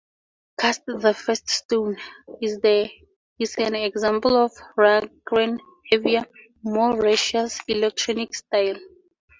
"Cast the First Stone" is an example of Rundgren's heavier, more raucous electronic style.